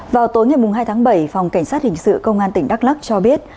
vào tối ngày hai tháng bảy phòng cảnh sát hình sự công an tỉnh đắk lắc cho biết